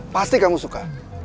pasti kamu suka